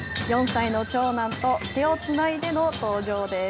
４歳の長男と手をつないでの登場です。